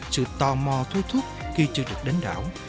sự tò mò thôi thúc khi chưa được đến đảo